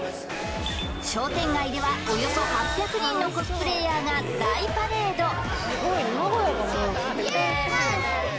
商店街ではおよそ８００人のコスプレイヤーが大パレードイエーイ！